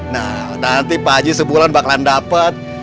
nah nanti pak haji sebulan bakalan dapat